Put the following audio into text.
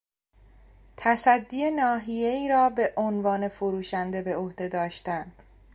تصدی ناحیهای را به عنوان فروشنده به عهده داشتن